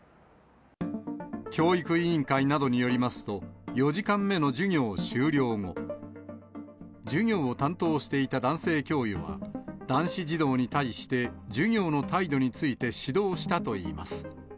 教育委員会などによりますと、４時間目の授業終了後、授業を担当していた男性教諭は、男子児童に対して、授業の態度について指導したといいます。